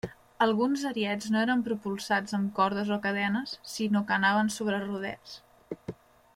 Alguns ariets no eren propulsats amb cordes o cadenes, sinó que anaven sobre rodets.